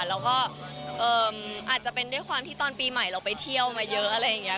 แล้วก็อาจจะเป็นด้วยความที่ตอนปีใหม่เราไปเที่ยวมาเยอะอะไรอย่างนี้